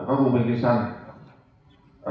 có công viên cây xanh